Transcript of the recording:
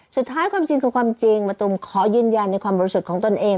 สุดท้ายความจริงคือความจริงมะตูมขอยืนยันในความรู้สึกของตนเอง